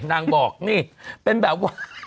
นางบอกนี่เป็นแบบว่า